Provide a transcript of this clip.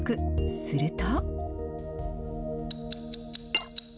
すると。